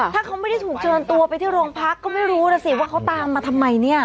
ถ้าเขาไม่ได้ถูกเชิญตัวไปที่โรงพักก็ไม่รู้นะสิว่าเขาตามมาทำไมเนี่ย